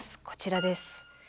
こちらです。